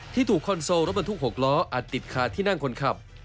ที่ถูกคอนโซลรถบรรทุก๖ล้ออัดติดคาที่นั่งคนขับ